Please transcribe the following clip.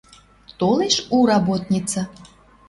Толеш у работница.